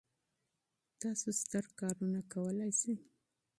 تاسو ستر کارونه کولای سئ.